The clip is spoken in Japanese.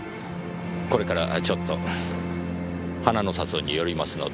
これからちょっと花の里に寄りますので。